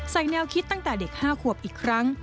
แนวคิดตั้งแต่เด็ก๕ขวบอีกครั้ง